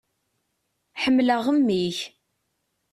Ḥemmleɣ mmi-k.